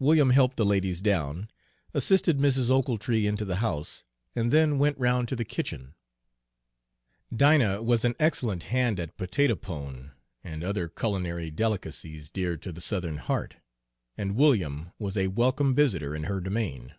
William helped the ladies down, assisted Mrs. Ochiltree into the house, and then went round to the kitchen. Dinah was an excellent hand at potato pone and other culinary delicacies dear to the Southern heart, and William was a welcome visitor in her domain.